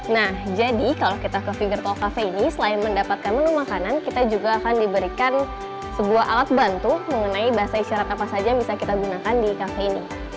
nah jadi kalau kita ke fingertol cafe ini selain mendapatkan menu makanan kita juga akan diberikan sebuah alat bantu mengenai bahasa isyarat apa saja yang bisa kita gunakan di kafe ini